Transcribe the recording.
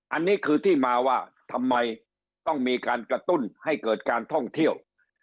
อันนี้คือที่มาว่าทำไมต้องมีการกระตุ้นให้เกิดการท่องเที่ยว